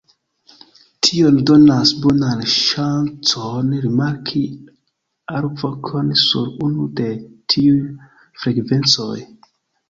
Tio donas bonan ŝancon rimarki alvokon sur unu de tiuj frekvencoj.